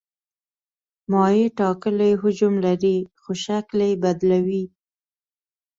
مایع ټاکلی حجم لري خو شکل یې بدلوي.